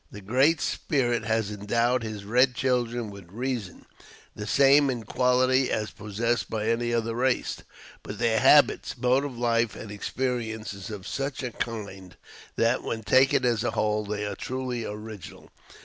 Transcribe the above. The Great Spirit has endowed his red children with reason, the same in quality as possessed by any other race, but their habits, mode of life and experience is of such a kind, that, when taken, as a whole, they are truly original.